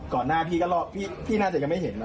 ก่อนหน้าพี่ก็รอบพี่น่าจะยังไม่เห็นนะ